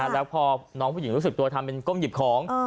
แล้วพอน้องผู้หญิงรู้สึกตัวทำเป็นก้มหยิบของ